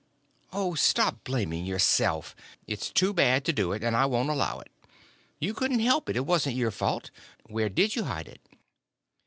"Oh, stop blaming yourself—it's too bad to do it, and I won't allow it—you couldn't help it; it wasn't your fault. Where did you hide it?"